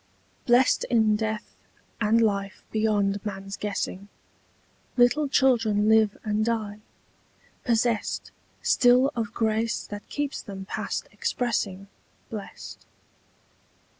BLEST in death and life beyond man's guessing Little children live and die, possest Still of grace that keeps them past expressing Blest.